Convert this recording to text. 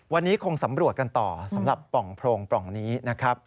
วันนี้คงสำรวจกันต่อสำหรับปล่องโพรงปล่องนี้นะครับ